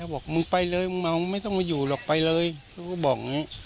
บอกมึงไปเลยมึงเมาไม่ต้องมาอยู่หรอกไปเลยเขาก็บอกอย่างนี้